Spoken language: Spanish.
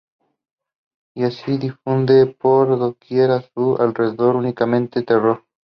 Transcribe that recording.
Y así difunde por doquier a su alrededor únicamente terror.